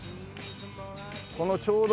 このちょうど。